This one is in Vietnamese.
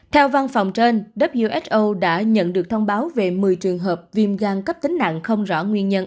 theo văn phòng trên wso đã nhận được thông báo về một mươi trường hợp viêm gan cấp tính nặng không rõ nguyên nhân